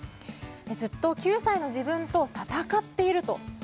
ずっと９歳の自分と戦っていると。